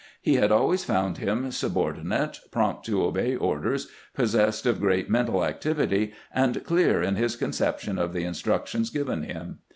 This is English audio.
He had always found him subordinate, prompt to obey orders, possessed of great mental activity, and clear in his conception of the instructions given him.